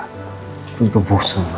itu juga bosen ma